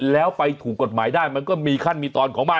แล้วไปถูกกฎหมายได้มันก็มีขั้นมีตอนของมัน